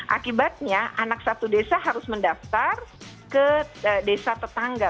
akibatnya anak satu desa harus mendaftar ke desa tetangga